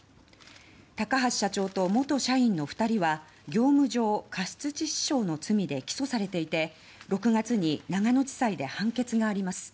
高橋社長と元社員の２人は業務上過失致死傷の罪で起訴されていて６月に長野地裁で判決があります。